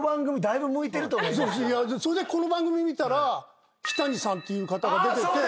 それでこの番組見たら日谷さんっていう方が出てて。